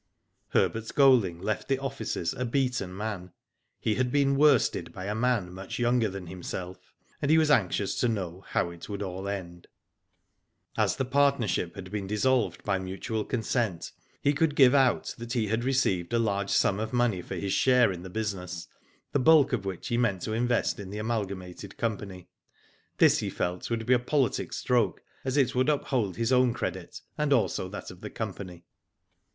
Herbert Golding left the offices a beaten man. He had been worsted by a man much younger than himself, and he was anxious to know how it would all end. As the partnership had. been dissolved by mutual consent, he could give out that he had received a large sum of money for his share in the business, the bulk of which he meant to invest in the Amalgamated Company. This, he felt, would be a politic stroke, as it would uphold his own credit, and also that of the company.